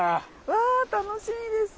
わあ楽しみです。